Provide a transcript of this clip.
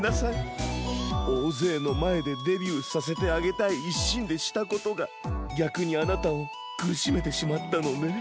おおぜいのまえでデビューさせてあげたいいっしんでしたことがぎゃくにあなたをくるしめてしまったのね。